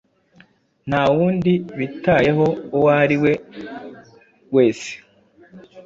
nta wundi bitayeho uwari we wese